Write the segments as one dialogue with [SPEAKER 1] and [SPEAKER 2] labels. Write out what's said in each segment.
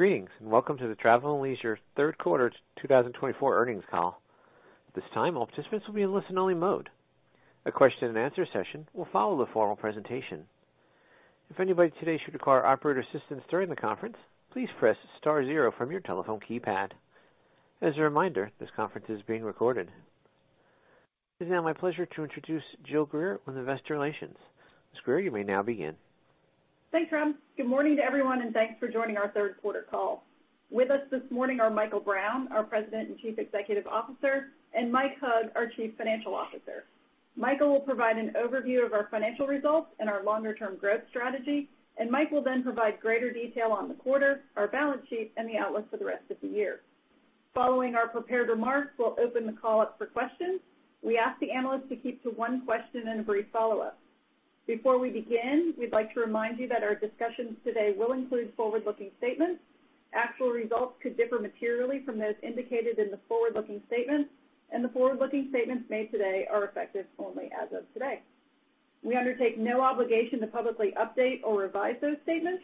[SPEAKER 1] Greetings, and welcome to the Travel + Leisure third quarter 2024 earnings call. This time, all participants will be in listen-only mode. A question-and-answer session will follow the formal presentation. If anybody today should require operator assistance during the conference, please press star zero from your telephone keypad. As a reminder, this conference is being recorded. It's now my pleasure to introduce Jill Greer on Investor Relations. Ms. Greer, you may now begin.
[SPEAKER 2] Thanks, Rob. Good morning to everyone, and thanks for joining our third quarter call. With us this morning are Michael Brown, our President and Chief Executive Officer, and Mike Hug, our Chief Financial Officer. Michael will provide an overview of our financial results and our longer-term growth strategy, and Mike will then provide greater detail on the quarter, our balance sheet, and the outlook for the rest of the year. Following our prepared remarks, we'll open the call up for questions. We ask the analysts to keep to one question and a brief follow-up. Before we begin, we'd like to remind you that our discussions today will include forward-looking statements. Actual results could differ materially from those indicated in the forward-looking statements, and the forward-looking statements made today are effective only as of today. We undertake no obligation to publicly update or revise those statements.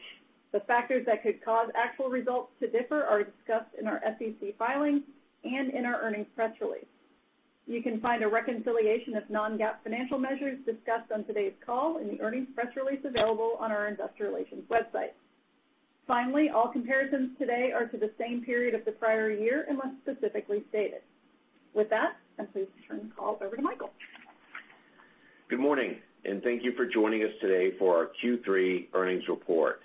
[SPEAKER 2] The factors that could cause actual results to differ are discussed in our SEC filings and in our earnings press release. You can find a reconciliation of non-GAAP financial measures discussed on today's call in the earnings press release available on our investor relations website. Finally, all comparisons today are to the same period of the prior year, unless specifically stated. With that, I'm pleased to turn the call over to Michael.
[SPEAKER 3] Good morning, and thank you for joining us today for our Q3 earnings report.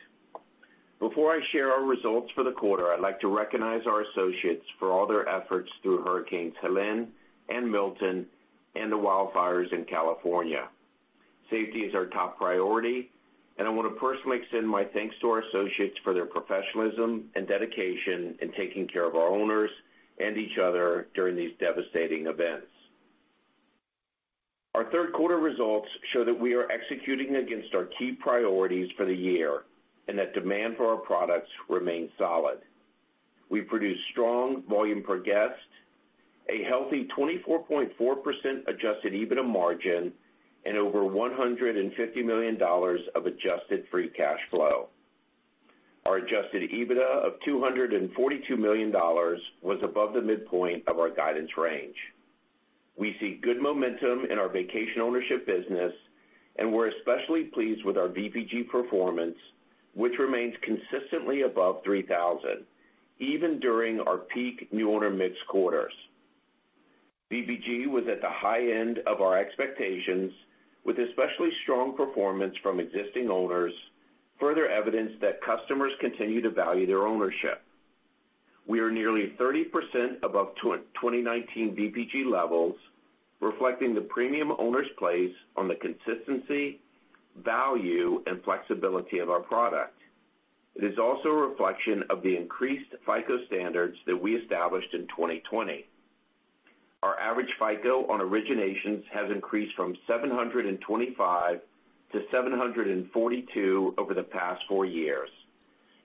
[SPEAKER 3] Before I share our results for the quarter, I'd like to recognize our associates for all their efforts through Hurricanes Helene and Milton and the wildfires in California. Safety is our top priority, and I want to personally extend my thanks to our associates for their professionalism and dedication in taking care of our owners and each other during these devastating events. Our third quarter results show that we are executing against our key priorities for the year and that demand for our products remains solid. We produced strong volume per guest, a healthy 24.4% adjusted EBITDA margin, and over $150 million of adjusted free cash flow. Our adjusted EBITDA of $242 million was above the midpoint of our guidance range. We see good momentum in our vacation ownership business, and we're especially pleased with our VPG performance, which remains consistently above $3,000, even during our peak new owner mix quarters. VPG was at the high end of our expectations, with especially strong performance from existing owners, further evidence that customers continue to value their ownership. We are nearly 30% above 2019 VPG levels, reflecting the premium owners place on the consistency, value, and flexibility of our product. It is also a reflection of the increased FICO standards that we established in 2020. Our average FICO on originations has increased from 725 to 742 over the past four years,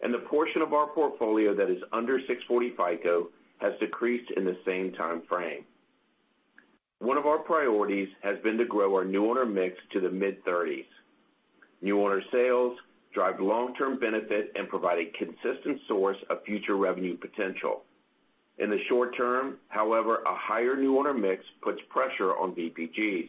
[SPEAKER 3] and the portion of our portfolio that is under 640 FICO has decreased in the same time frame. One of our priorities has been to grow our new owner mix to the mid-30s. New owner sales drive long-term benefit and provide a consistent source of future revenue potential. In the short term, however, a higher new owner mix puts pressure on VPGs.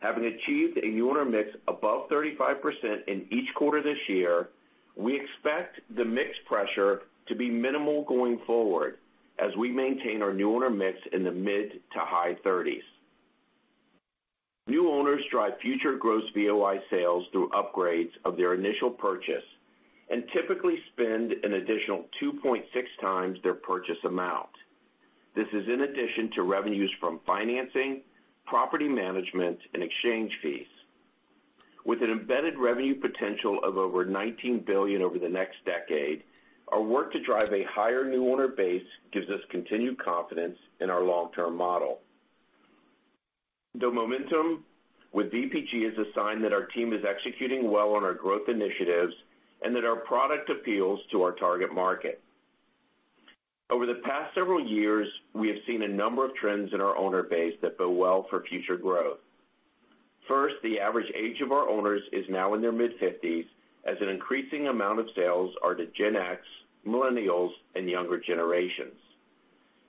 [SPEAKER 3] Having achieved a new owner mix above 35% in each quarter this year, we expect the mix pressure to be minimal going forward as we maintain our new owner mix in the mid to high 30s. New owners drive future gross VOI sales through upgrades of their initial purchase and typically spend an additional 2.6 times their purchase amount. This is in addition to revenues from financing, property management, and exchange fees. With an embedded revenue potential of over 19 billion over the next decade, our work to drive a higher new owner base gives us continued confidence in our long-term model. The momentum with VPG is a sign that our team is executing well on our growth initiatives and that our product appeals to our target market. Over the past several years, we have seen a number of trends in our owner base that bode well for future growth. First, the average age of our owners is now in their mid-50s, as an increasing amount of sales are to Gen X, Millennials, and younger generations.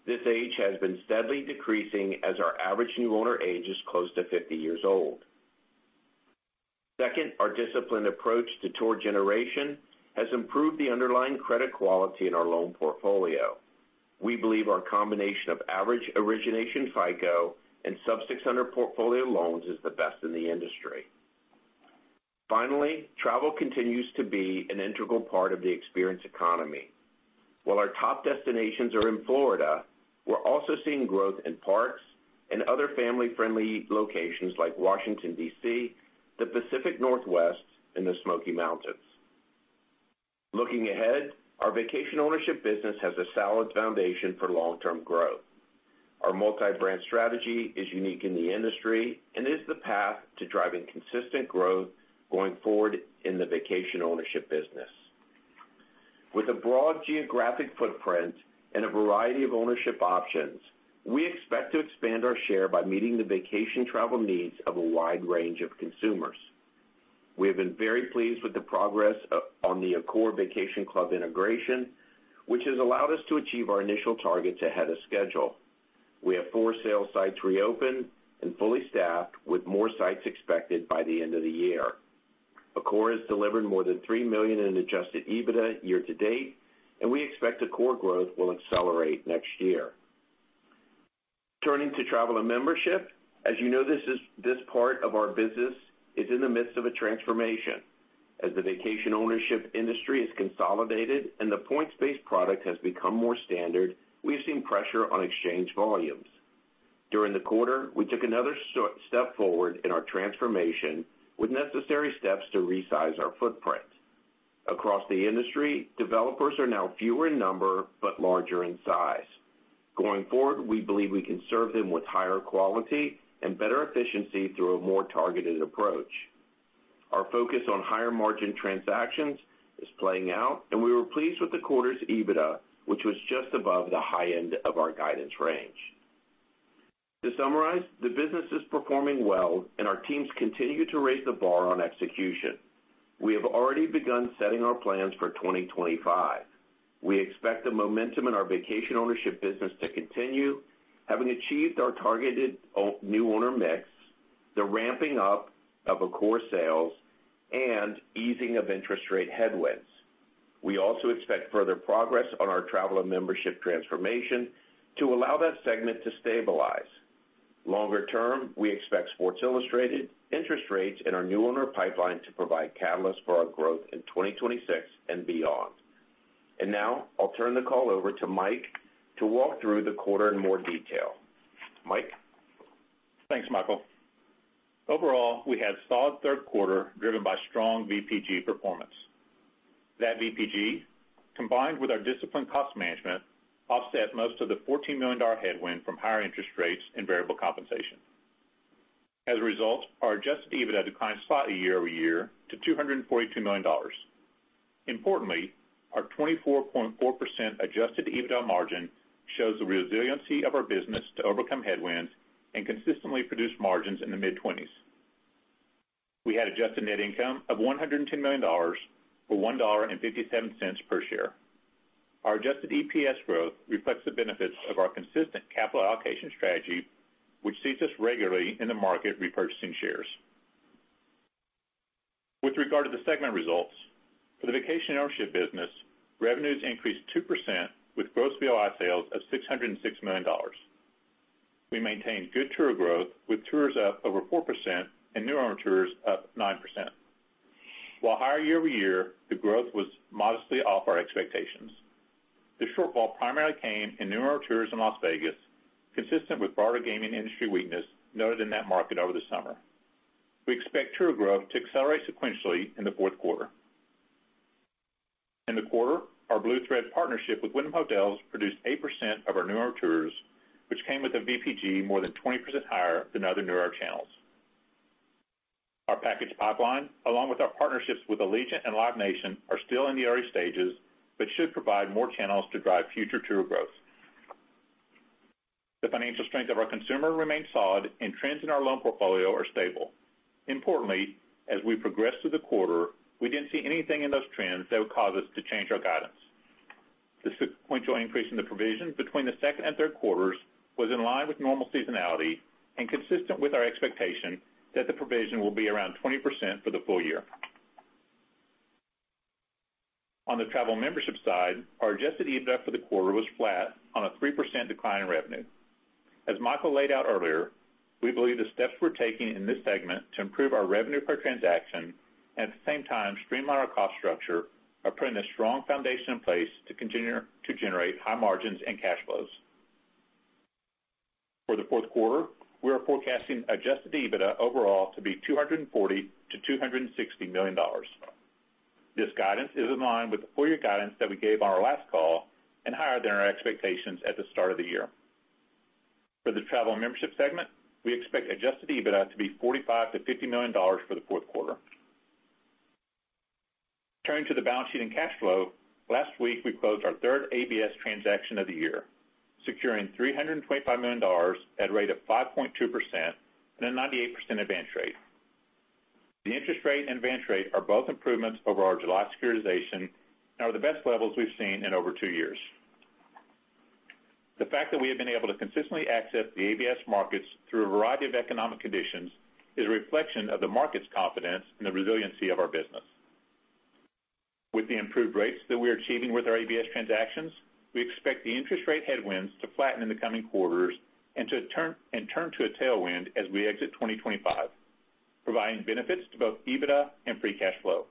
[SPEAKER 3] This age has been steadily decreasing as our average new owner age is close to 50 years old. Second, our disciplined approach to tour generation has improved the underlying credit quality in our loan portfolio. We believe our combination of average origination FICO and sub-600 portfolio loans is the best in the industry. Finally, travel continues to be an integral part of the experience economy. While our top destinations are in Florida, we're also seeing growth in parks and other family-friendly locations like Washington, D.C., the Pacific Northwest, and the Smoky Mountains. Looking ahead, our vacation ownership business has a solid foundation for long-term growth. Our multi-brand strategy is unique in the industry and is the path to driving consistent growth going forward in the vacation ownership business. With a broad geographic footprint and a variety of ownership options, we expect to expand our share by meeting the vacation travel needs of a wide range of consumers.... We have been very pleased with the progress on the Accor Vacation Club integration, which has allowed us to achieve our initial targets ahead of schedule. We have four sales sites reopened and fully staffed, with more sites expected by the end of the year. Accor has delivered more than $3 million in Adjusted EBITDA year to date, and we expect Accor growth will accelerate next year. Turning to Travel and Membership, as you know, this part of our business is in the midst of a transformation. As the vacation ownership industry is consolidated and the points-based product has become more standard, we have seen pressure on exchange volumes. During the quarter, we took another step forward in our transformation with necessary steps to resize our footprint. Across the industry, developers are now fewer in number, but larger in size. Going forward, we believe we can serve them with higher quality and better efficiency through a more targeted approach. Our focus on higher margin transactions is playing out, and we were pleased with the quarter's EBITDA, which was just above the high end of our guidance range. To summarize, the business is performing well, and our teams continue to raise the bar on execution. We have already begun setting our plans for 2025. We expect the momentum in our vacation ownership business to continue, having achieved our targeted new owner mix, the ramping up of Accor sales, and easing of interest rate headwinds. We also expect further progress on our Travel and Membership transformation to allow that segment to stabilize. Longer term, we expect Sports Illustrated, interest rates, and our new owner pipeline to provide catalysts for our growth in 2026 and beyond. And now, I'll turn the call over to Mike to walk through the quarter in more detail. Mike?
[SPEAKER 4] Thanks, Michael. Overall, we had a solid third quarter, driven by strong VPG performance. That VPG, combined with our disciplined cost management, offset most of the $14 million headwind from higher interest rates and variable compensation. As a result, our adjusted EBITDA declined slightly year over year to $242 million. Importantly, our 24.4% adjusted EBITDA margin shows the resiliency of our business to overcome headwinds and consistently produce margins in the mid-20s. We had adjusted net income of $110 million, or $1.57 per share. Our adjusted EPS growth reflects the benefits of our consistent capital allocation strategy, which sees us regularly in the market repurchasing shares. With regard to the segment results, for the vacation ownership business, revenues increased 2% with gross VOI sales of $606 million. We maintained good tour growth, with tours up over 4% and new owner tours up 9%. While higher year over year, the growth was modestly off our expectations. The shortfall primarily came in new owner tours in Las Vegas, consistent with broader gaming industry weakness noted in that market over the summer. We expect tour growth to accelerate sequentially in the fourth quarter. In the quarter, our Blue Thread partnership with Wyndham Hotels produced 8% of our new owner tours, which came with a VPG more than 20% higher than other new owner channels. Our package pipeline, along with our partnerships with Allegiant and Live Nation, are still in the early stages, but should provide more channels to drive future tour growth. The financial strength of our consumer remains solid, and trends in our loan portfolio are stable. Importantly, as we progressed through the quarter, we didn't see anything in those trends that would cause us to change our guidance. The sequential increase in the provision between the second and third quarters was in line with normal seasonality and consistent with our expectation that the provision will be around 20% for the full year. On the Travel and Membership side, our Adjusted EBITDA for the quarter was flat on a 3% decline in revenue. As Michael laid out earlier, we believe the steps we're taking in this segment to improve our revenue per transaction, at the same time, streamline our cost structure, are putting a strong foundation in place to continue to generate high margins and cash flows. For the fourth quarter, we are forecasting Adjusted EBITDA overall to be $240-$260 million. This guidance is in line with the full year guidance that we gave on our last call and higher than our expectations at the start of the year. For the Travel and Membership segment, we expect Adjusted EBITDA to be $45 million-$50 million for the fourth quarter. Turning to the balance sheet and cash flow, last week, we closed our third ABS transaction of the year, securing $325 million at a rate of 5.2% and a 98% advance rate. The interest rate and advance rate are both improvements over our July securitization and are the best levels we've seen in over two years. The fact that we have been able to consistently access the ABS markets through a variety of economic conditions is a reflection of the market's confidence in the resiliency of our business. With the improved rates that we are achieving with our ABS transactions, we expect the interest rate headwinds to flatten in the coming quarters and to turn to a tailwind as we exit 2025, providing benefits to both EBITDA and free cash flow.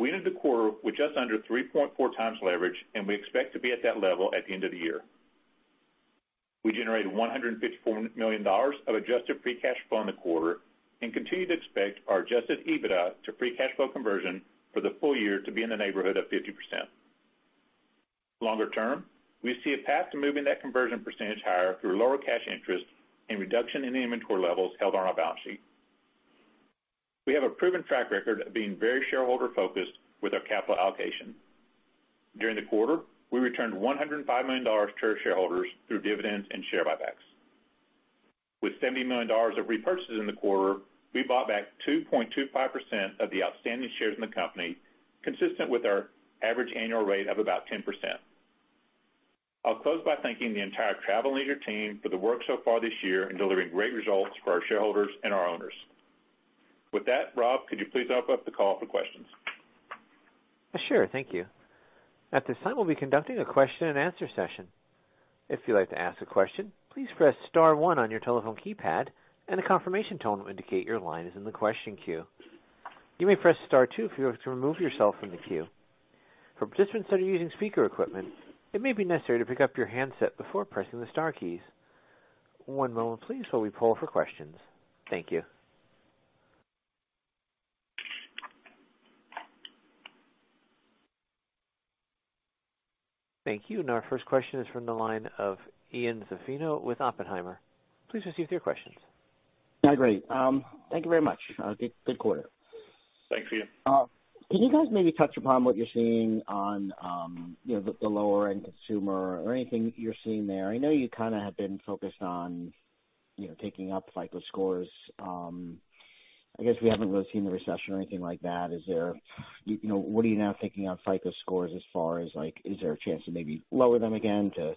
[SPEAKER 4] We ended the quarter with just under 3.4 times leverage, and we expect to be at that level at the end of the year. We generated $154 million of adjusted free cash flow in the quarter and continue to expect our adjusted EBITDA to free cash flow conversion for the full year to be in the neighborhood of 50%. Longer term, we see a path to moving that conversion percentage higher through lower cash interest and reduction in the inventory levels held on our balance sheet. We have a proven track record of being very shareholder-focused with our capital allocation. During the quarter, we returned $105 million to our shareholders through dividends and share buybacks. With $70 million of repurchases in the quarter, we bought back 2.25% of the outstanding shares in the company, consistent with our average annual rate of about 10%. I'll close by thanking the entire Travel + Leisure team for the work so far this year in delivering great results for our shareholders and our owners. With that, Rob, could you please open up the call for questions?
[SPEAKER 1] Sure. Thank you. At this time, we'll be conducting a question-and-answer session. If you'd like to ask a question, please press star one on your telephone keypad, and a confirmation tone will indicate your line is in the question queue. You may press star two if you would like to remove yourself from the queue. For participants that are using speaker equipment, it may be necessary to pick up your handset before pressing the star keys. One moment please while we poll for questions. Thank you. Thank you. And our first question is from the line of Ian Zaffino with Oppenheimer. Please proceed with your questions.
[SPEAKER 5] Hi, great. Thank you very much. Good, good quarter.
[SPEAKER 4] Thanks, Ian.
[SPEAKER 5] Can you guys maybe touch upon what you're seeing on, you know, the lower-end consumer or anything you're seeing there? I know you kind of have been focused on, you know, taking up FICO scores. I guess we haven't really seen the recession or anything like that. You know, what are you now taking on FICO scores as far as, like, is there a chance to maybe lower them again to,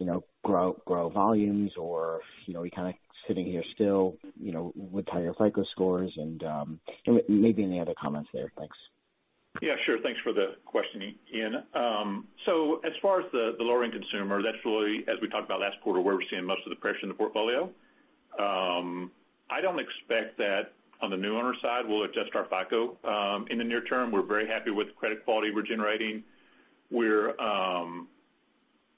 [SPEAKER 5] you know, grow, grow volumes? Or, you know, are you kind of sitting here still, you know, with higher FICO scores and, and maybe any other comments there? Thanks.
[SPEAKER 4] Yeah, sure. Thanks for the question, Ian. So as far as the, the lower-end consumer, that's really, as we talked about last quarter, where we're seeing most of the pressure in the portfolio. I don't expect that on the new owner side, we'll adjust our FICO, in the near term. We're very happy with the credit quality we're generating. We're,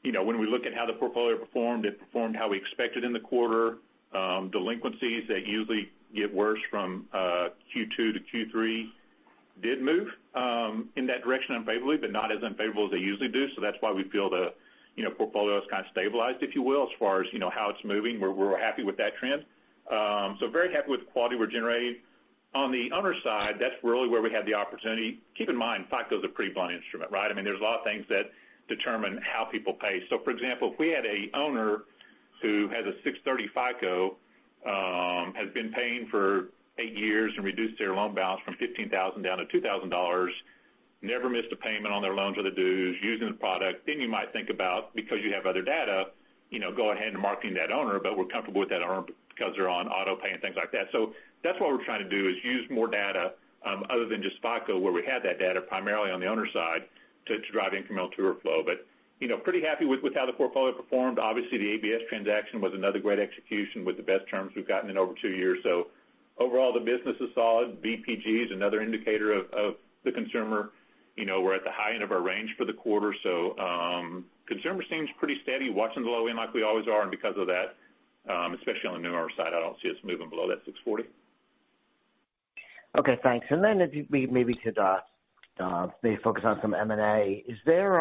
[SPEAKER 4] you know, when we look at how the portfolio performed, it performed how we expected in the quarter. Delinquencies, they usually get worse from, Q2 to Q3, did move, in that direction unfavorably, but not as unfavorably as they usually do. So that's why we feel the, you know, portfolio has kind of stabilized, if you will, as far as, you know, how it's moving. We're, we're happy with that trend. So very happy with the quality we're generating. On the owner side, that's really where we had the opportunity. Keep in mind, FICO is a pretty blunt instrument, right? I mean, there's a lot of things that determine how people pay. So for example, if we had an owner who has a 630 FICO, has been paying for eight years and reduced their loan balance from $15,000 down to $2,000, never missed a payment on their loans or the dues, using the product, then you might think about, because you have other data, you know, go ahead and market to that owner, but we're comfortable with that owner because they're on auto pay and things like that. So that's what we're trying to do, is use more data, other than just FICO, where we had that data primarily on the owner side, to drive incremental tour flow. But, you know, pretty happy with how the portfolio performed. Obviously, the ABS transaction was another great execution with the best terms we've gotten in over two years. So overall, the business is solid. VPG is another indicator of the consumer. You know, we're at the high end of our range for the quarter, so, consumer seems pretty steady, watching the low-end like we always are, and because of that, especially on the new owner side, I don't see us moving below that 640.
[SPEAKER 5] Okay, thanks. And then if you maybe could, maybe focus on some M&A. Is there,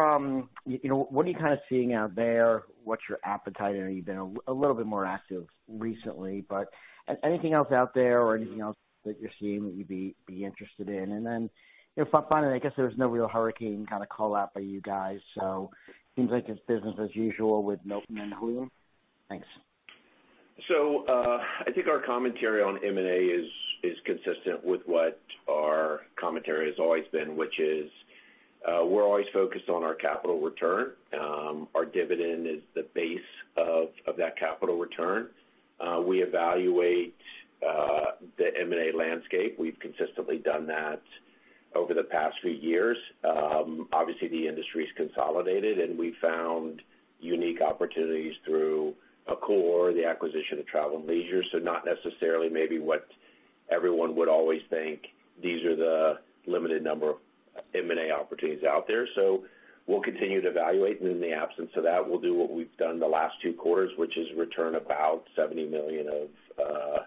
[SPEAKER 5] you know, what are you kind of seeing out there? What's your appetite? I know you've been a little bit more active recently, but anything else out there or anything else that you're seeing that you'd be interested in? And then, you know, finally, I guess there was no real hurricane kind of call out by you guys, so seems like it's business as usual with Milton and Helene. Thanks.
[SPEAKER 3] I think our commentary on M&A is consistent with what our commentary has always been, which is, we're always focused on our capital return. Our dividend is the base of that capital return. We evaluate the M&A landscape. We've consistently done that over the past few years. Obviously, the industry's consolidated, and we found unique opportunities through Accor, the acquisition of Travel and Leisure. Not necessarily maybe what everyone would always think these are the limited number of M&A opportunities out there. We'll continue to evaluate, and in the absence of that, we'll do what we've done the last two quarters, which is return about $70 million of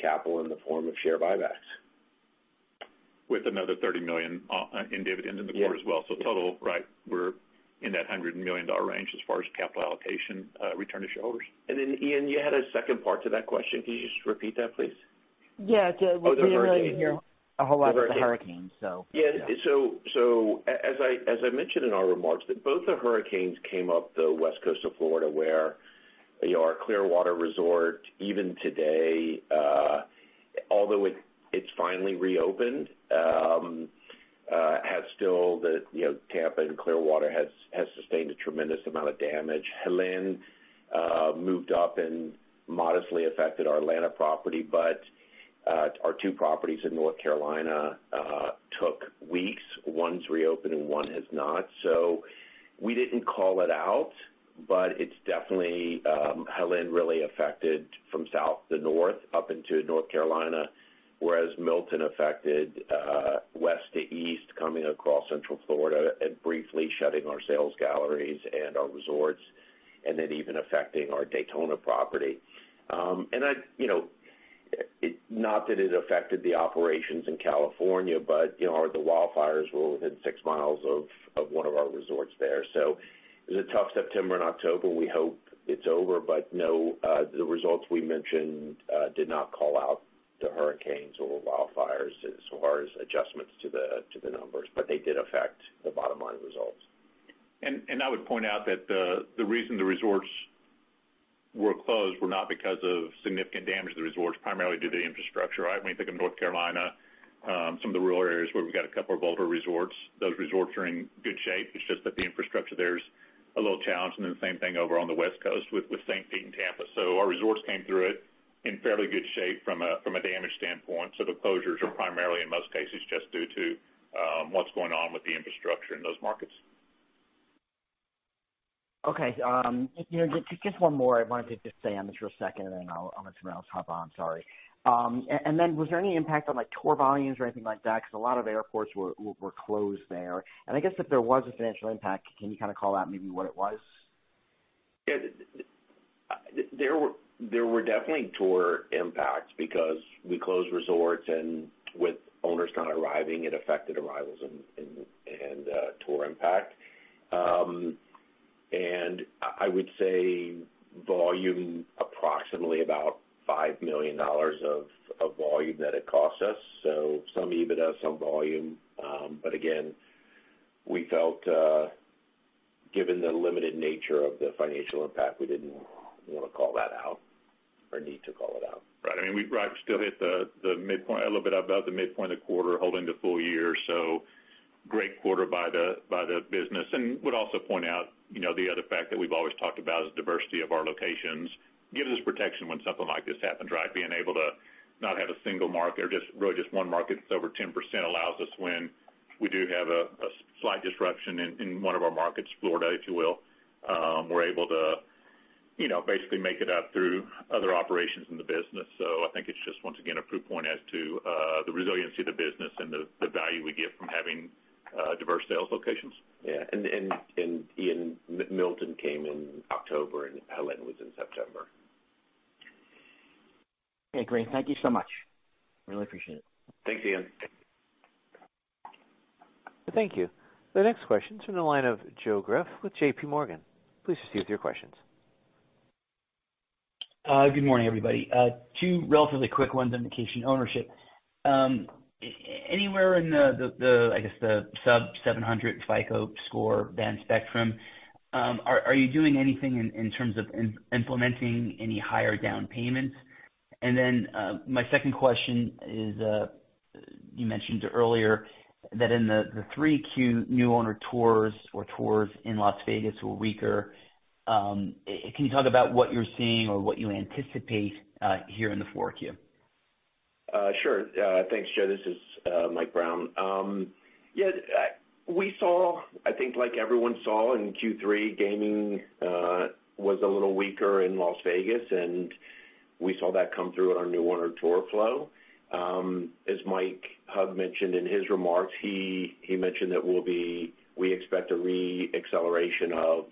[SPEAKER 3] capital in the form of share buybacks.
[SPEAKER 4] With another $30 million in dividend in the quarter as well.
[SPEAKER 3] Yeah.
[SPEAKER 4] So total, right, we're in that $100 million range as far as capital allocation, return to shareholders.
[SPEAKER 3] And then, Ian, you had a second part to that question. Can you just repeat that, please?
[SPEAKER 2] Yeah, the-
[SPEAKER 5] Oh, the hurricanes.
[SPEAKER 3] We didn't really hear a whole lot with the hurricanes, so. Yeah. So as I mentioned in our remarks, that both the hurricanes came up the West Coast of Florida, where, you know, our Clearwater resort, even today, although it, it's finally reopened, has still, you know, Tampa and Clearwater has sustained a tremendous amount of damage. Helene moved up and modestly affected our Atlanta property, but our two properties in North Carolina took weeks. One's reopened and one has not. So we didn't call it out, but it's definitely Helene really affected from south to north, up into North Carolina, whereas Milton affected west to east, coming across Central Florida and briefly shutting our sales galleries and our resorts, and then even affecting our Daytona property. You know, not that it affected the operations in California, but you know, the wildfires were within six miles of one of our resorts there. So it was a tough September and October. We hope it's over, but no, the results we mentioned did not call out the hurricanes or the wildfires as far as adjustments to the numbers, but they did affect the bottom line results.
[SPEAKER 4] I would point out that the reason the resorts were closed were not because of significant damage to the resorts, primarily due to the infrastructure, right? When you think of North Carolina, some of the rural areas where we've got a couple of older resorts, those resorts are in good shape. It's just that the infrastructure there is a little challenged, and then the same thing over on the West Coast with St. Pete and Tampa. So our resorts came through it in fairly good shape from a damage standpoint. So the closures are primarily, in most cases, just due to what's going on with the infrastructure in those markets.
[SPEAKER 5] Okay. You know, just one more. I wanted to just stay on this real second, and then I'll let someone else hop on. Sorry. And then was there any impact on, like, tour volumes or anything like that? Because a lot of airports were closed there. And I guess if there was a financial impact, can you kind of call out maybe what it was?
[SPEAKER 3] Yeah. There were definitely tour impacts because we closed resorts, and with owners not arriving, it affected arrivals and tour impact. And I would say volume, approximately about $5 million of volume that it cost us, so some EBITDA, some volume. But again, we felt, given the limited nature of the financial impact, we didn't wanna call that out or need to call it out.
[SPEAKER 4] Right. I mean, right, still hit the midpoint, a little bit above the midpoint of the quarter, holding the full year. So great quarter by the business, and would also point out, you know, the other fact that we've always talked about is diversity of our locations. Gives us protection when something like this happens, right? Being able to not have a single market or just really just one market that's over 10% allows us, when we do have a slight disruption in one of our markets, Florida, if you will, we're able to, you know, basically make it up through other operations in the business. So I think it's just once again a proof point as to the resiliency of the business and the value we get from having diverse sales locations.
[SPEAKER 3] Yeah, and Ian, Milton came in October, and Helene was in September.
[SPEAKER 5] Okay, great. Thank you so much. Really appreciate it.
[SPEAKER 3] Thanks, Ian.
[SPEAKER 1] Thank you. The next question is from the line of Joe Greff with J.P. Morgan. Please proceed with your questions.
[SPEAKER 6] Good morning, everybody. Two relatively quick ones on vacation ownership. Anywhere in the, I guess, the sub-700 FICO score band spectrum, are you doing anything in terms of implementing any higher down payments? And then, my second question is, you mentioned earlier that in the three Q new owner tours or tours in Las Vegas were weaker. Can you talk about what you're seeing or what you anticipate here in the fourth Q?
[SPEAKER 3] Sure. Thanks, Joe. This is Mike Brown. Yeah, we saw, I think like everyone saw in Q3, gaming was a little weaker in Las Vegas, and we saw that come through in our new owner tour flow. As Mike Hug mentioned in his remarks, he mentioned that we expect a re-acceleration of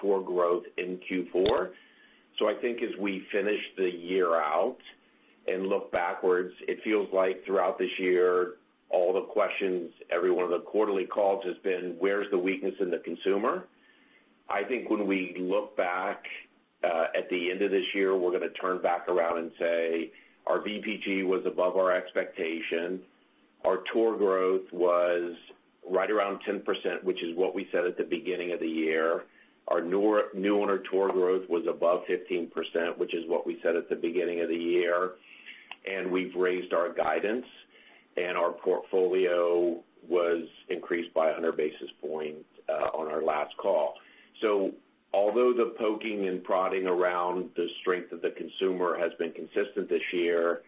[SPEAKER 3] tour growth in Q4. So I think as we finish the year out and look backwards, it feels like throughout this year, all the questions, every one of the quarterly calls has been: Where's the weakness in the consumer? I think when we look back at the end of this year, we're gonna turn back around and say, our VPG was above our expectation. Our tour growth was right around 10%, which is what we said at the beginning of the year. Our new owner tour growth was above 15%, which is what we said at the beginning of the year, and we've raised our guidance, and our portfolio was increased by 100 basis points on our last call. So although the poking and prodding around the strength of the consumer has been consistent this year,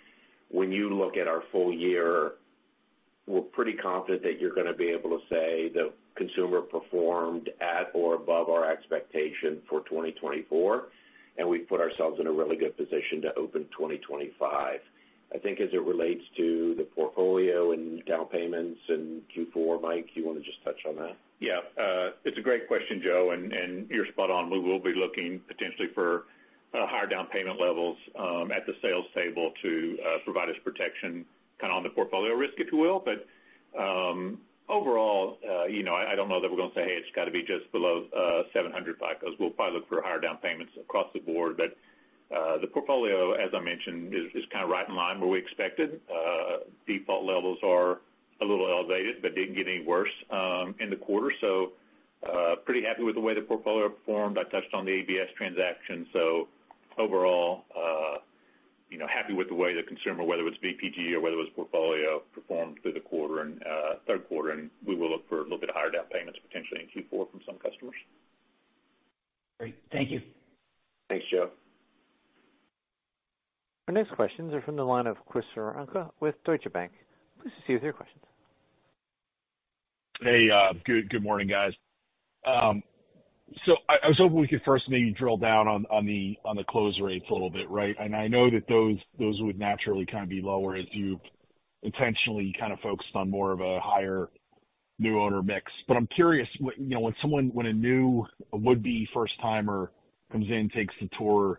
[SPEAKER 3] when you look at our full year, we're pretty confident that you're gonna be able to say the consumer performed at or above our expectation for 2024, and we've put ourselves in a really good position to open 2025. I think as it relates to the portfolio and down payments in Q4, Mike, you wanna just touch on that?
[SPEAKER 4] Yeah. It's a great question, Joe, and you're spot on. We will be looking potentially for higher down payment levels at the sales table to provide us protection kind of on the portfolio risk, if you will. But overall, you know, I don't know that we're gonna say, "Hey, it's gotta be just below 700 FICO." We'll probably look for higher down payments across the board. But the portfolio, as I mentioned, is kind of right in line where we expected. Default levels are a little elevated, but didn't get any worse in the quarter. So pretty happy with the way the portfolio performed. I touched on the ABS transaction, so overall, you know, happy with the way the consumer, whether it's VPG or whether it was portfolio, performed through the quarter and, third quarter, and we will look for a little bit higher down payments potentially in Q4 from some customers.
[SPEAKER 6] Great. Thank you.
[SPEAKER 3] Thanks, Joe.
[SPEAKER 1] Our next questions are from the line of Chris Woronka with Deutsche Bank. Please proceed with your questions.
[SPEAKER 7] Hey, good morning, guys. So I was hoping we could first maybe drill down on the close rates a little bit, right? And I know that those would naturally kind of be lower as you intentionally kind of focused on more of a higher new owner mix. But I'm curious, you know, when a new would-be first-timer comes in, takes the tour,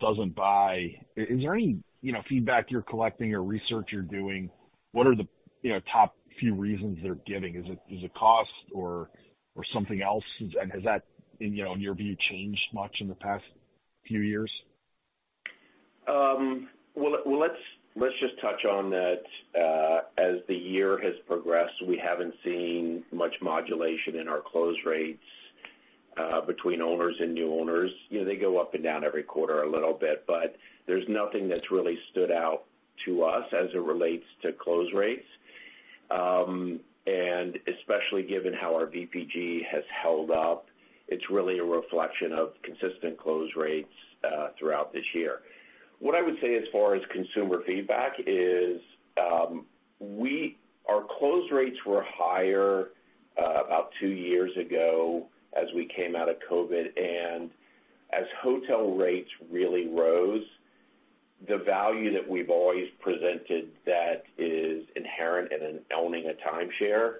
[SPEAKER 7] doesn't buy, is there any, you know, feedback you're collecting or research you're doing? What are the, you know, top few reasons they're giving? Is it cost or something else? And has that, you know, in your view, changed much in the past few quarters? Few years?
[SPEAKER 3] Let's just touch on that, as the year has progressed, we haven't seen much modulation in our close rates between owners and new owners. You know, they go up and down every quarter a little bit, but there's nothing that's really stood out to us as it relates to close rates. And especially given how our VPG has held up, it's really a reflection of consistent close rates throughout this year. What I would say as far as consumer feedback is, our close rates were higher about two years ago as we came out of COVID, and as hotel rates really rose, the value that we've always presented that is inherent in owning a timeshare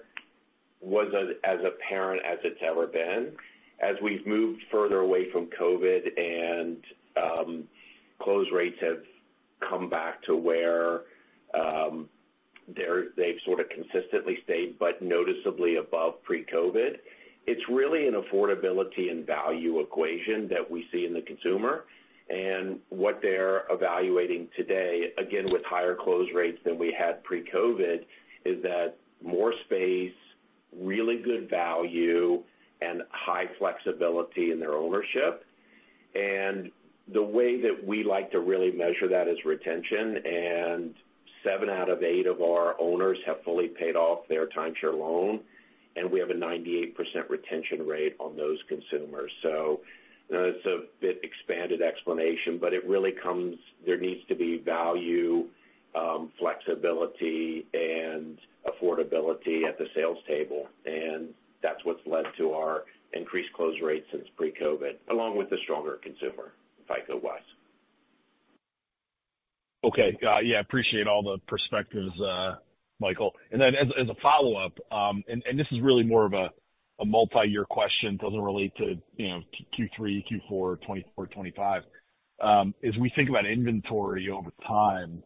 [SPEAKER 3] was as apparent as it's ever been. As we've moved further away from COVID and close rates have come back to where they have sort of consistently stayed, but noticeably above pre-COVID, it's really an affordability and value equation that we see in the consumer, and what they're evaluating today, again, with higher close rates than we had pre-COVID, is that more space, really good value, and high flexibility in their ownership, and the way that we like to really measure that is retention, and seven out of eight of our owners have fully paid off their timeshare loan, and we have a 98% retention rate on those consumers, so it's a bit expanded explanation, but it really comes... There needs to be value, flexibility, and affordability at the sales table, and that's what's led to our increased close rate since pre-COVID, along with the stronger consumer, FICO-wise.
[SPEAKER 7] Okay. Yeah, appreciate all the perspectives, Michael. And then as a follow-up, and this is really more of a multi-year question, doesn't relate to, you know, Q3, Q4, 2024, 2025. As we think about inventory over time,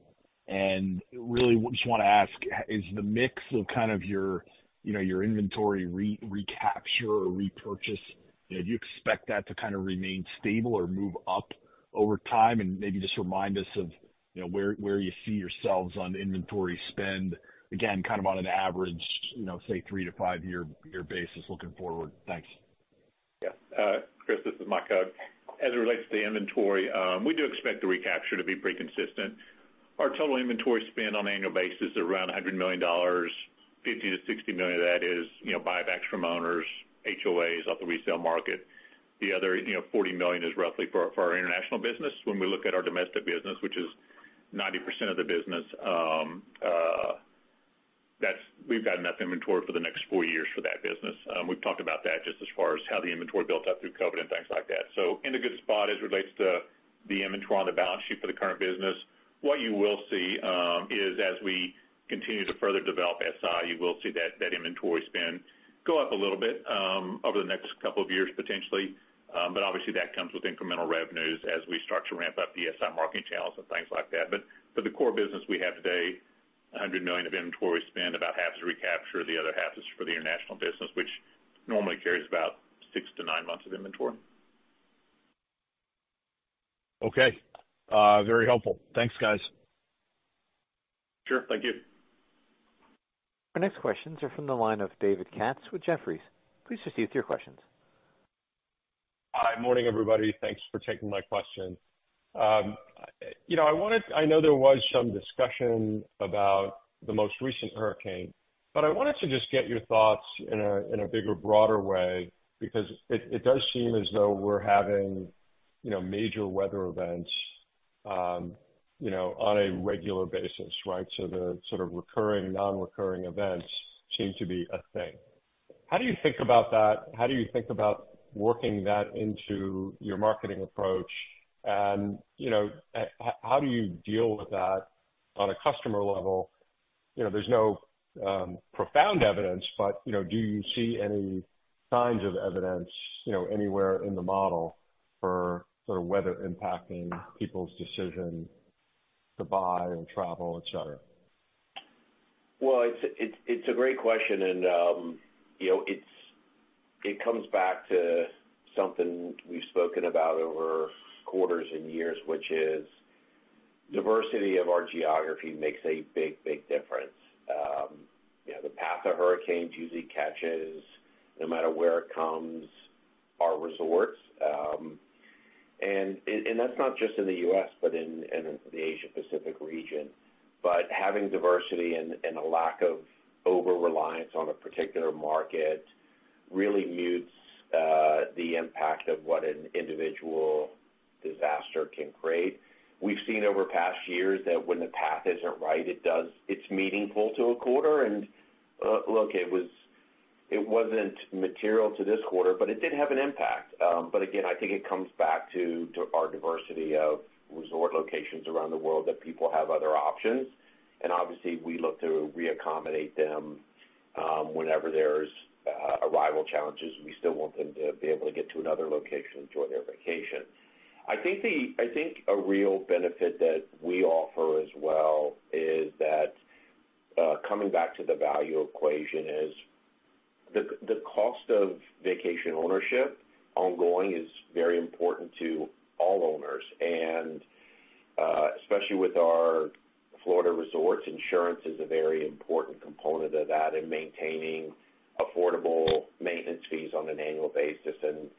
[SPEAKER 7] and really just wanna ask, is the mix of kind of your, you know, your inventory recapture or repurchase, do you expect that to kind of remain stable or move up over time? And maybe just remind us of, you know, where you see yourselves on inventory spend, again, kind of on an average, you know, say, three to five year basis looking forward. Thanks.
[SPEAKER 4] Yeah. Chris, this is Mike Hug. As it relates to the inventory, we do expect the recapture to be pretty consistent. Our total inventory spend on an annual basis is around $100 million, $50-$60 million of that is, you know, buybacks from owners, HOAs off the resale market. The other, you know, $40 million is roughly for our international business. When we look at our domestic business, which is 90% of the business, that's, we've got enough inventory for the next four years for that business. We've talked about that just as far as how the inventory built up through COVID and things like that. So in a good spot as it relates to the inventory on the balance sheet for the current business. What you will see is as we continue to further develop SI, you will see that inventory spend go up a little bit over the next couple of years, potentially. But obviously, that comes with incremental revenues as we start to ramp up the SI marketing channels and things like that. But for the core business we have today, $100 million of inventory spend, about half is recapture, the other half is for the international business, which normally carries about six to nine months of inventory.
[SPEAKER 7] Okay, very helpful. Thanks, guys.
[SPEAKER 4] Sure. Thank you.
[SPEAKER 1] Our next questions are from the line of David Katz with Jefferies. Please proceed with your questions.
[SPEAKER 8] Hi. Morning, everybody. Thanks for taking my question. You know, I know there was some discussion about the most recent Hurricane, but I wanted to just get your thoughts in a bigger, broader way, because it does seem as though we're having, you know, major weather events, you know, on a regular basis, right? So the sort of recurring, non-recurring events seem to be a thing. How do you think about that? How do you think about working that into your marketing approach? And, you know, how do you deal with that on a customer level? You know, there's no profound evidence, but, you know, do you see any signs of evidence, you know, anywhere in the model for the weather impacting people's decision to buy and travel, et cetera?
[SPEAKER 3] Well, it's a great question, and you know, it comes back to something we've spoken about over quarters and years, which is diversity of our geography makes a big, big difference. You know, the path of Hurricanes usually catches, no matter where it comes, our resorts. And that's not just in the U.S., but in the Asia Pacific region. But having diversity and a lack of over-reliance on a particular market really mutes the impact of what an individual disaster can create. We've seen over past years that when the path isn't right, it's meaningful to a quarter. And look, it wasn't material to this quarter, but it did have an impact. But again, I think it comes back to our diversity of resort locations around the world, that people have other options. And obviously, we look to re-accommodate them whenever there's arrival challenges. We still want them to be able to get to another location, enjoy their vacation. I think a real benefit that we offer as well is that coming back to the value equation is the cost of vacation ownership ongoing is very important to all owners, and especially with our Florida Resorts, insurance is a very important component of that in maintaining affordable maintenance fees on an annual basis. And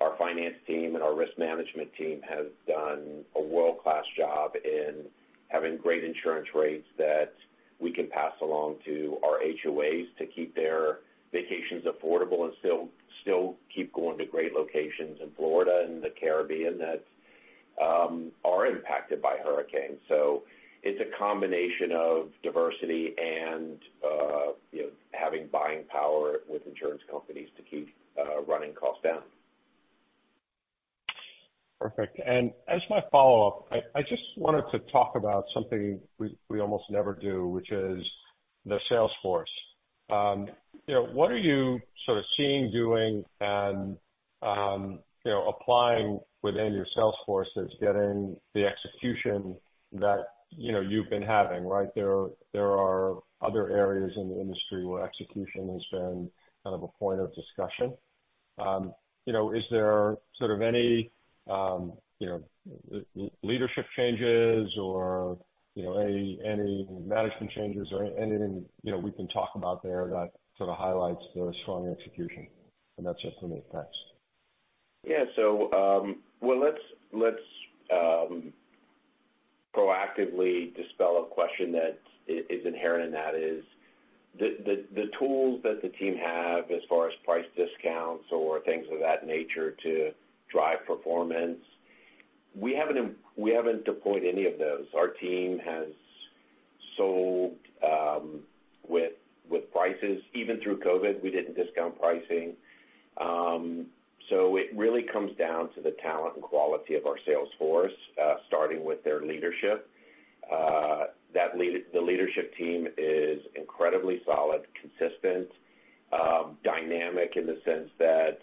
[SPEAKER 3] our finance team and our risk management team has done a world-class job in having great insurance rates that we can pass along to our HOAs to keep their vacations affordable and still keep going to great locations in Florida and the Caribbean that are impacted by Hurricanes. So it's a combination of diversity and, you know, having buying power with insurance companies to keep running costs down.
[SPEAKER 8] Perfect. And as my follow-up, I just wanted to talk about something we almost never do, which is the sales force. You know, what are you sort of seeing, doing and, you know, applying within your sales forces, getting the execution that, you know, you've been having, right? There are other areas in the industry where execution has been kind of a point of discussion. You know, is there sort of any, you know, leadership changes or, you know, any management changes or anything, you know, we can talk about there that sort of highlights the strong execution? And that's it for me. Thanks.
[SPEAKER 3] Yeah. So, well, let's proactively dispel a question that is inherent in that is, the tools that the team have as far as price discounts or things of that nature to drive performance. We haven't deployed any of those. Our team has sold with prices. Even through COVID, we didn't discount pricing. So it really comes down to the talent and quality of our sales force, starting with their leadership. The leadership team is incredibly solid, consistent, dynamic in the sense that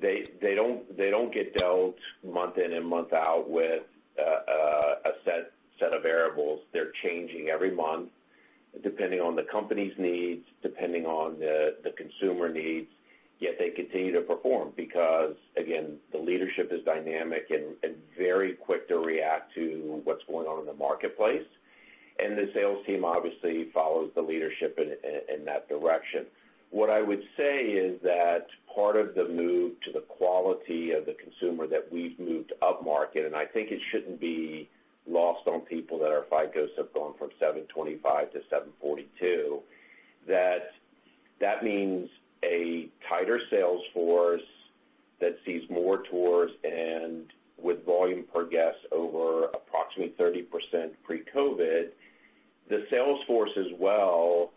[SPEAKER 3] they don't get dealt month in and month out with a set of variables. They're changing every month, depending on the company's needs, depending on the consumer needs, yet they continue to perform. Because, again, the leadership is dynamic and very quick to react to what's going on in the marketplace, and the sales team obviously follows the leadership in that direction. What I would say is that part of the move to the quality of the consumer, that we've moved upmarket, and I think it shouldn't be lost on people that our FICOs have gone from 725 to 742. That means a tighter sales force that sees more tours and with volume per guest over approximately 30% pre-COVID, the sales force as well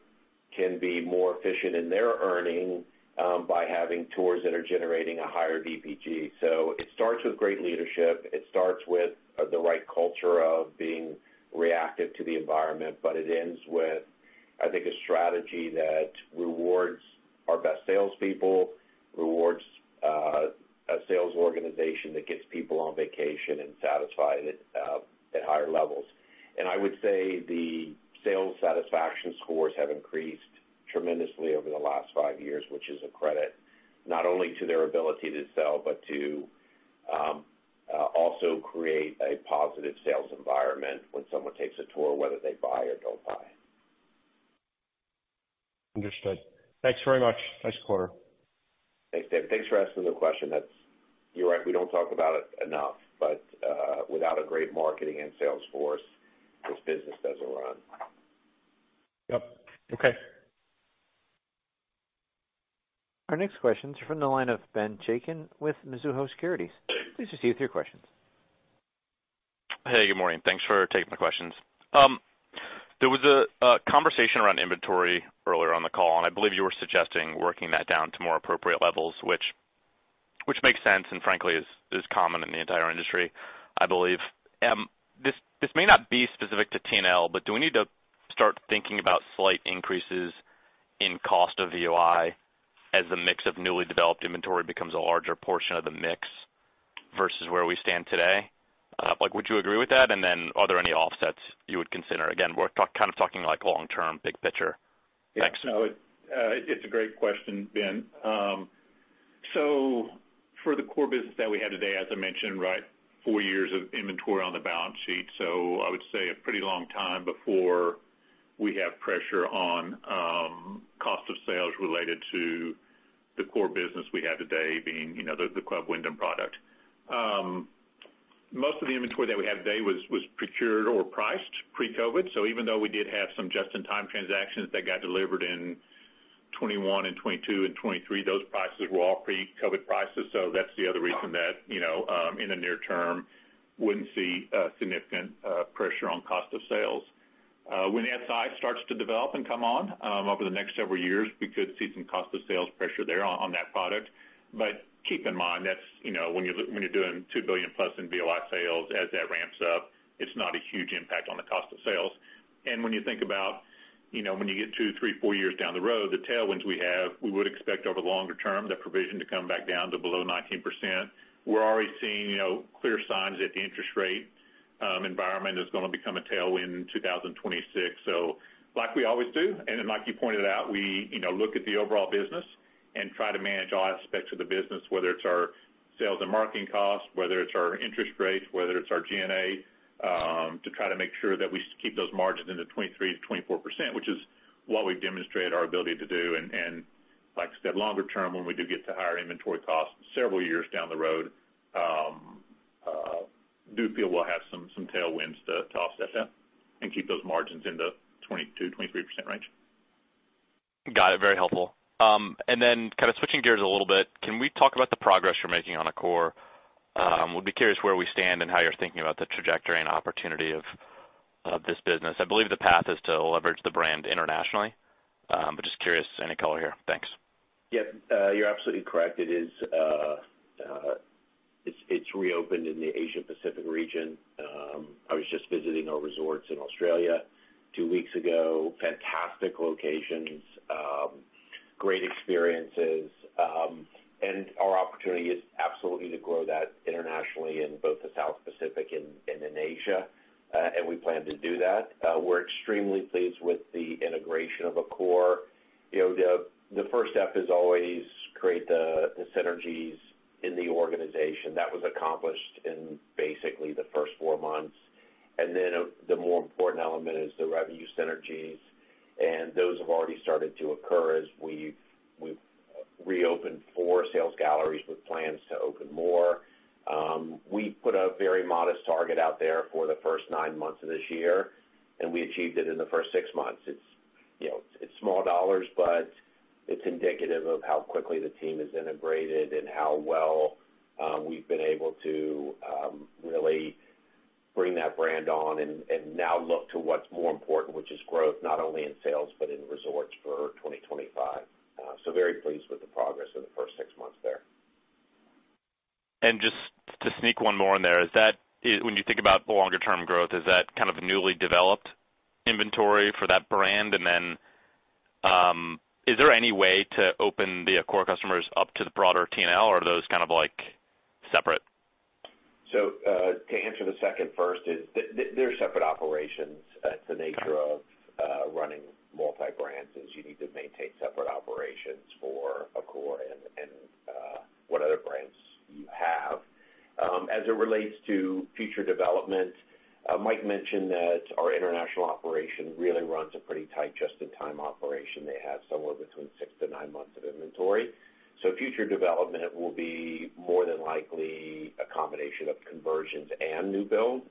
[SPEAKER 3] can be more efficient in their earning by having tours that are generating a higher VPG. So it starts with great leadership. It starts with the right culture of being reactive to the environment, but it ends with, I think, a strategy that rewards our best salespeople, rewards a sales organization that gets people on vacation and satisfied at higher levels. And I would say the sales satisfaction scores have increased tremendously over the last five years, which is a credit, not only to their ability to sell, but to also create a positive sales environment when someone takes a tour, whether they buy or don't buy.
[SPEAKER 8] Understood. Thanks very much. Nice quarter. Thanks, David. Thanks for asking the question. That's. You're right, we don't talk about it enough, but without a great marketing and sales force, this business doesn't run. Yep. Okay.
[SPEAKER 1] Our next questions are from the line of Ben Chaiken with Mizuho Securities. Please proceed with your questions.
[SPEAKER 9] Hey, good morning. Thanks for taking my questions. There was a conversation around inventory earlier on the call, and I believe you were suggesting working that down to more appropriate levels, which makes sense and frankly, is common in the entire industry, I believe. This may not be specific to TNL, but do we need to start thinking about slight increases in cost of VOI as the mix of newly developed inventory becomes a larger portion of the mix versus where we stand today? Like, would you agree with that? And then are there any offsets you would consider? Again, we're kind of talking like long term, big picture. Thanks.
[SPEAKER 3] Yeah. No, it, it's a great question, Ben. So for the core business that we have today, as I mentioned, right, four years of inventory on the balance sheet, so I would say a pretty long time before we have pressure on, cost of sales related to the core business we have today being, you know, the Club Wyndham product. Most of the inventory that we have today was procured or priced pre-COVID, so even though we did have some just-in-time transactions that got delivered in 2021 and 2022 and 2023, those prices were all pre-COVID prices. So that's the other reason that, you know, in the near term, wouldn't see a significant, pressure on cost of sales. When the outside starts to develop and come on over the next several years, we could see some cost of sales pressure there on that product. But keep in mind, that's, you know, when you're when you're doing $2 billion plus in VOI sales, as that ramps up, it's not a huge impact on the cost of sales. And when you think about, you know, when you get two, three, four years down the road, the tailwinds we have, we would expect over longer term, that provision to come back down to below 19%. We're already seeing, you know, clear signs that the interest rate,... environment is going to become a tailwind in 2026. So like we always do, and then like you pointed out, we, you know, look at the overall business and try to manage all aspects of the business, whether it's our sales and marketing costs, whether it's our interest rates, whether it's our G&A, to try to make sure that we keep those margins into 23%-24%, which is what we've demonstrated our ability to do. And like I said, longer term, when we do get to higher inventory costs several years down the road, do feel we'll have some tailwinds to offset that and keep those margins in the 22%-23% range.
[SPEAKER 9] Got it. Very helpful. And then kind of switching gears a little bit, can we talk about the progress you're making on Accor? We'll be curious where we stand and how you're thinking about the trajectory and opportunity of this business. I believe the path is to leverage the brand internationally, but just curious, any color here? Thanks.
[SPEAKER 3] Yep, you're absolutely correct. It is, it's reopened in the Asia Pacific region. I was just visiting our resorts in Australia two weeks ago. Fantastic locations, great experiences, and our opportunity is absolutely to grow that internationally in both the South Pacific and in Asia, and we plan to do that. We're extremely pleased with the integration of Accor. You know, the first step is always create the synergies in the organization. That was accomplished in basically the first four months. And then the more important element is the revenue synergies, and those have already started to occur as we've reopened four sales galleries with plans to open more. We put a very modest target out there for the first nine months of this year, and we achieved it in the first six months. You know, it's small dollars, but it's indicative of how quickly the team has integrated and how well we've been able to really bring that brand on and now look to what's more important, which is growth, not only in sales, but in resorts for 2025. So very pleased with the progress of the first six months there.
[SPEAKER 9] Just to sneak one more in there, is that, when you think about the longer term growth, is that kind of a newly developed inventory for that brand? And then, is there any way to open the Accor customers up to the broader TNL, or are those kind of like separate?
[SPEAKER 3] So, to answer the second first is they're separate operations. That's the nature of running multi-brands, is you need to maintain separate operations for Accor and what other brands you have. As it relates to future development, Mike mentioned that our international operation really runs a pretty tight just-in-time operation. They have somewhere between six to nine months of inventory. So future development will be more than likely a combination of conversions and new build.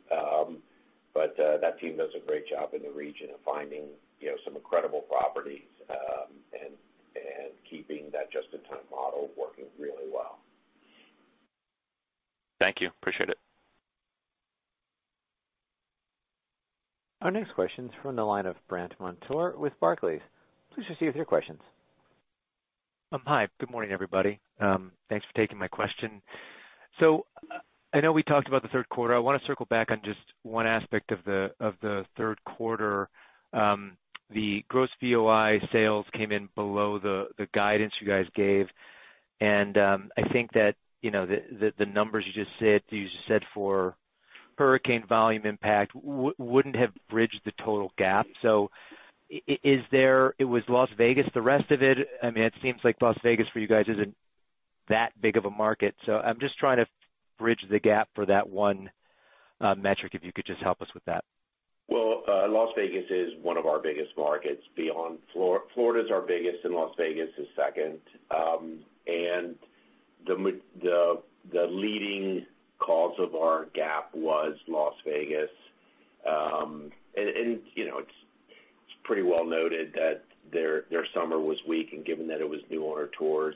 [SPEAKER 3] But that team does a great job in the region of finding, you know, some incredible properties, and keeping that just-in-time model working really well.
[SPEAKER 9] Thank you. Appreciate it.
[SPEAKER 1] Our next question is from the line of Brandt Montour with Barclays. Please proceed with your questions.
[SPEAKER 10] Hi, good morning, everybody. Thanks for taking my question, so I know we talked about the third quarter. I want to circle back on just one aspect of the third quarter. The gross VOI sales came in below the guidance you guys gave, and I think that, you know, the numbers you just said for hurricane volume impact wouldn't have bridged the total gap, so is there? It was Las Vegas, the rest of it. I mean, it seems like Las Vegas for you guys isn't that big of a market, so I'm just trying to bridge the gap for that one metric, if you could just help us with that.
[SPEAKER 3] Las Vegas is one of our biggest markets beyond Florida. Florida is our biggest, and Las Vegas is second. And the leading cause of our gap was Las Vegas. And, you know, it's pretty well noted that their summer was weak and given that it was new owner tours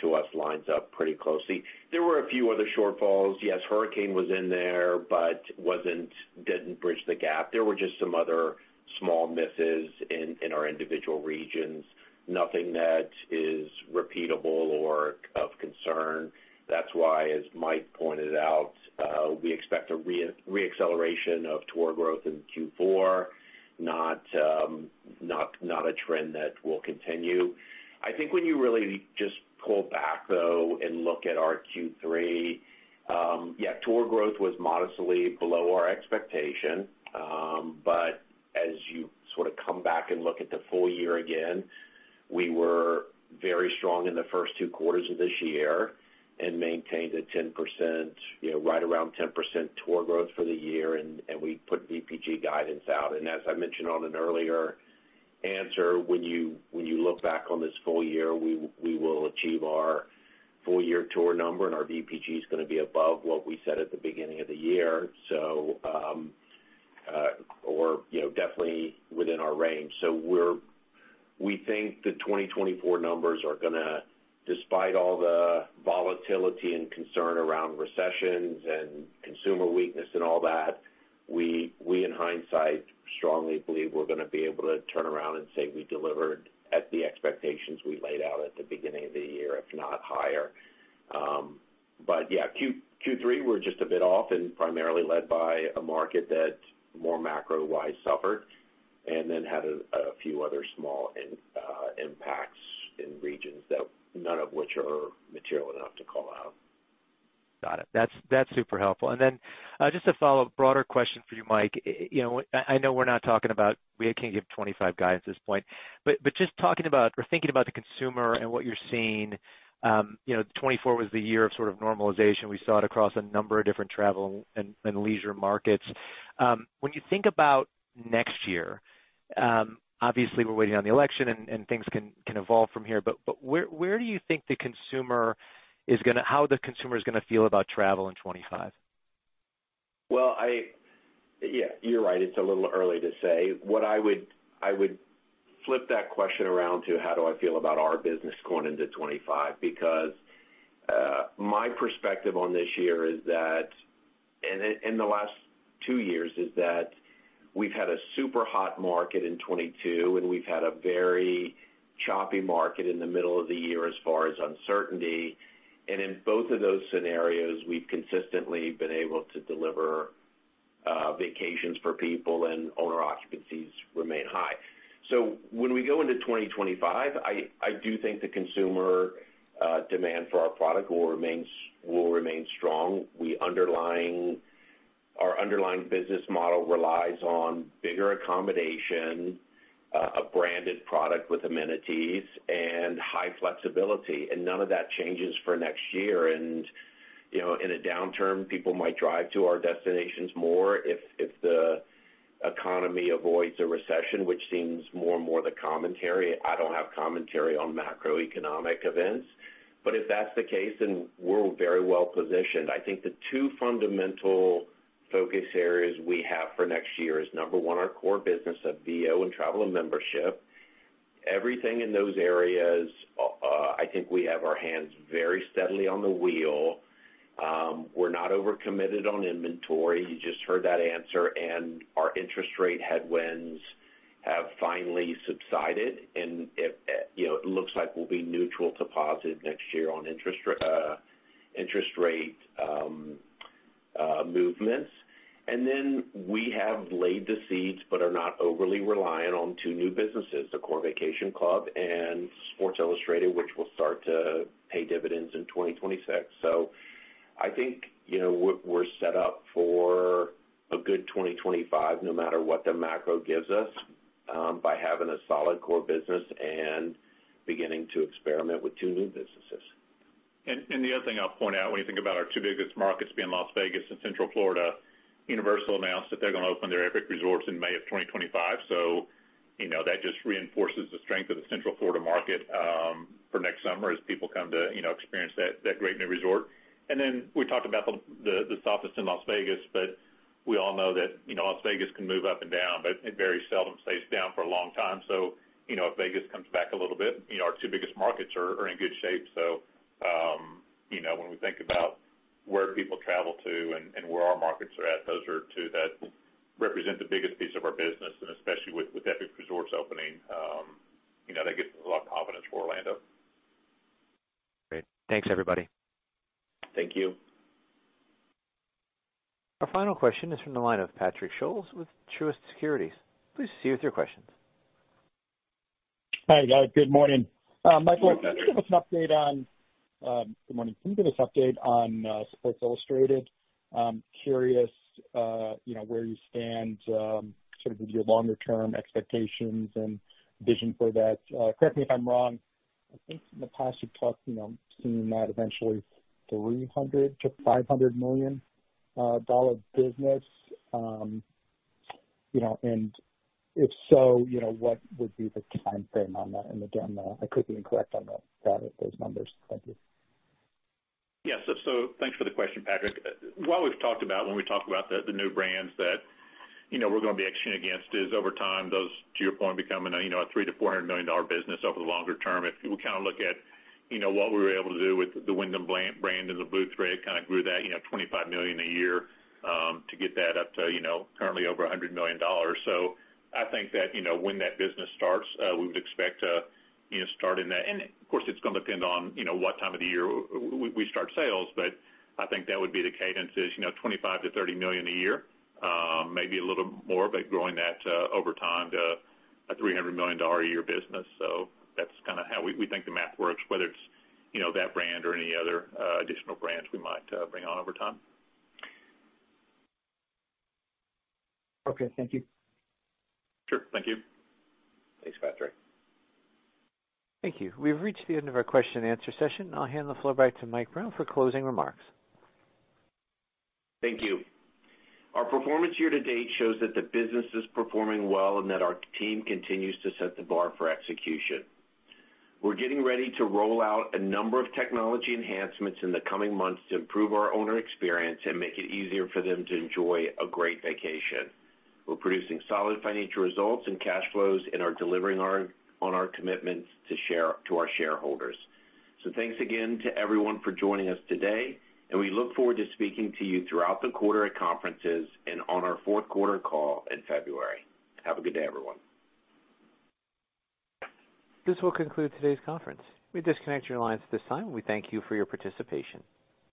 [SPEAKER 3] to us, lines up pretty closely. There were a few other shortfalls. Yes, hurricane was in there, but wasn't, didn't bridge the gap. There were just some other small misses in our individual regions. Nothing that is repeatable or of concern. That's why, as Mike pointed out, we expect a reacceleration of tour growth in Q4, not a trend that will continue. I think when you really just pull back, though, and look at our Q3, tour growth was modestly below our expectation, but as you sort of come back and look at the full year again, we were very strong in the first two quarters of this year and maintained a 10%, you know, right around 10% tour growth for the year, and we put VPG guidance out, and as I mentioned on an earlier answer, when you look back on this full year, we will achieve our full year tour number, and our VPG is gonna be above what we said at the beginning of the year, so you know, definitely within our range. We think the 2024 numbers are gonna, despite all the volatility and concern around recessions and consumer weakness and all that, we, in hindsight, strongly believe we're gonna be able to turn around and say we delivered at the expectations we laid out at the beginning of the year, if not higher. But yeah, Q3 were just a bit off and primarily led by a market that more macro-wise suffered, and then had a few other small impacts in regions that none of which are material enough to call out. Got it. That's super helpful. And then, just a follow-up, broader question for you, Mike. You know, I know we're not talking about we can't give 2025 guidance at this point, but just talking about or thinking about the consumer and what you're seeing, you know, 2024 was the year of sort of normalization. We saw it across a number of different travel and leisure markets. When you think about next year, obviously, we're waiting on the election and things can evolve from here, but where do you think the consumer is gonna - how the consumer is gonna feel about travel in 2025? Well, yeah, you're right. It's a little early to say. What I would... I would flip that question around to, how do I feel about our business going into 2025? Because, my perspective on this year is that, and in, in the last two years, is that we've had a super hot market in 2022, and we've had a very choppy market in the middle of the year as far as uncertainty. And in both of those scenarios, we've consistently been able to deliver, vacations for people and owner occupancies remain high. So when we go into 2025, I, I do think the consumer, demand for our product will remain strong. Our underlying business model relies on bigger accommodation, a branded product with amenities, and high flexibility, and none of that changes for next year. You know, in a downturn, people might drive to our destinations more if the economy avoids a recession, which seems more and more the commentary. I don't have commentary on macroeconomic events, but if that's the case, then we're very well positioned. I think the two fundamental focus areas we have for next year is, number one, our core business of VO and travel and membership. Everything in those areas, I think we have our hands very steadily on the wheel. We're not overcommitted on inventory. You just heard that answer, and our interest rate headwinds have finally subsided, and you know, it looks like we'll be neutral to positive next year on interest rate movements. Then we have laid the seeds but are not overly reliant on two new businesses, the Accor Vacation Club and Sports Illustrated, which will start to pay dividends in 2026. So I think, you know, we're set up for a good 2025, no matter what the macro gives us, by having a solid core business and beginning to experiment with two new businesses.
[SPEAKER 4] And the other thing I'll point out, when you think about our two biggest markets being Las Vegas and Central Florida, Universal announced that they're gonna open their Epic Universe in May of 2025. So, you know, that just reinforces the strength of the Central Florida market for next summer as people come to, you know, experience that great new resort. And then we talked about the softness in Las Vegas, but we all know that, you know, Las Vegas can move up and down, but it very seldom stays down for a long time. So, you know, if Vegas comes back a little bit, you know, our two biggest markets are in good shape. So, you know, when we think about where people travel to and where our markets are at, those are two that represent the biggest piece of our business, and especially with Epic Resorts opening, you know, that gives us a lot of confidence for Orlando.
[SPEAKER 10] Great. Thanks, everybody.
[SPEAKER 3] Thank you.
[SPEAKER 1] Our final question is from the line of Patrick Scholes with Truist Securities. Please go ahead with your question.
[SPEAKER 11] Hi, guys. Good morning. Mike, can you give us an update on Sports Illustrated? I'm curious, you know, where you stand sort of with your longer term expectations and vision for that? Correct me if I'm wrong, I think in the past, you've talked, you know, seeing that eventually $300-$500 million dollar business. You know, and if so, you know, what would be the timeframe on that? And again, I could be incorrect on those numbers. Thank you.
[SPEAKER 4] Yes. So thanks for the question, Patrick. What we've talked about when we talk about the, the new brands that, you know, we're gonna be executing against is over time, those, to your point, become an, you know, a $300-$400 million business over the longer term. If you kind of look at, you know, what we were able to do with the Wyndham Blue Thread brand and the Blue Thread, kind of grew that, you know, $25 million a year, to get that up to, you know, currently over $100 million. So I think that, you know, when that business starts, we would expect to, you know, start in that. And of course, it's gonna depend on, you know, what time of the year we start sales, but I think that would be the cadence is, you know, 25-30 million a year, maybe a little more, but growing that over time to a $300 million a year business. So that's kind of how we think the math works, whether it's, you know, that brand or any other additional brands we might bring on over time.
[SPEAKER 11] Okay, thank you.
[SPEAKER 4] Sure. Thank you.
[SPEAKER 3] Thanks, Patrick.
[SPEAKER 1] Thank you. We've reached the end of our question and answer session. I'll hand the floor back to Mike Brown for closing remarks.
[SPEAKER 3] Thank you. Our performance year to date shows that the business is performing well and that our team continues to set the bar for execution. We're getting ready to roll out a number of technology enhancements in the coming months to improve our owner experience and make it easier for them to enjoy a great vacation. We're producing solid financial results and cash flows and are delivering on our commitments to shareholders. So thanks again to everyone for joining us today, and we look forward to speaking to you throughout the quarter at conferences and on our fourth quarter call in February. Have a good day, everyone.
[SPEAKER 1] This will conclude today's conference. You may disconnect your lines at this time. We thank you for your participation.